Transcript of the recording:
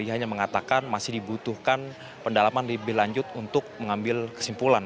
ia hanya mengatakan masih dibutuhkan pendalaman lebih lanjut untuk mengambil kesimpulan